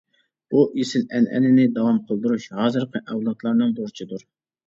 بۇ ئېسىل ئەنئەنىنى داۋام قىلدۇرۇش ھازىرقى ئەۋلادلارنىڭ بۇرچىدۇر.